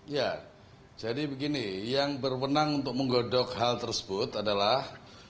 ya jadi begini yang berwenang untuk menggodok hal tersebut adalah